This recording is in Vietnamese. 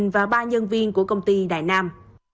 và ba nhân viên của công ty đài nam